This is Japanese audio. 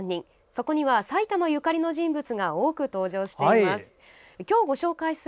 そこには埼玉ゆかりの人物が多く登場しています。